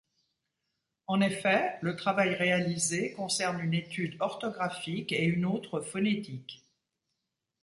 En effet, le travail réalisé concerne une étude orthographique et une autre phonétique.